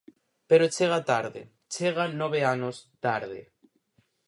Pero chega tarde, chega nove anos tarde.